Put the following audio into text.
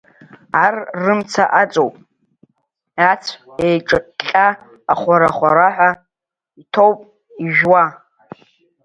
Ар рымца аҵоуп, ацә еиҿыҟьҟьа ахәараҳәа иҭоуп ижәуа.